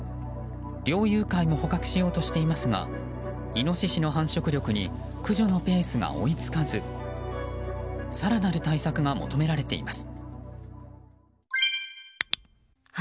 猟友会も捕獲しようとしていますがイノシシの繁殖力に駆除のペースが追い付かず更なる対策が求められています。